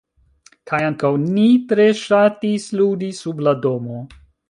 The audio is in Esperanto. Kaj ankaŭ, ni tre ŝatis ludi sub la domo.